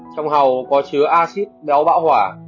trong hàu có chứa acid béo bão hỏa